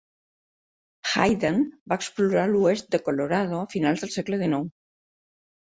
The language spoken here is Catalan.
Hayden va explorar l'oest de Colorado a finals del segle XIX.